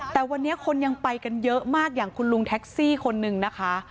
แต่วันนี้คนยังไปกันเยอะมากอย่างคุณลุงแท็กซี่คนนึงนะคะ